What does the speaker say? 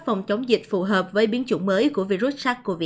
phòng chống dịch phù hợp với biến chủng mới của virus sars cov hai